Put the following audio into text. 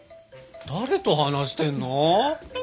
誰と話してんの？